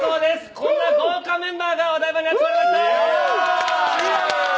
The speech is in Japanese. こんな豪華メンバーがお台場に集まりました！